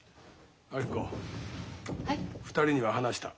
２人には話した。